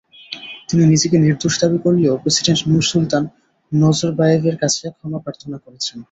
তিনি নিজেকে নির্দোষ দাবি করলেও প্রেসিডেন্ট নুরসুলতান নজরবায়েভের কাছে ক্ষমা প্রার্থনা করেছেন।